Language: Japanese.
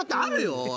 おい。